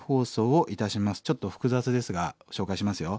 ちょっと複雑ですが紹介しますよ。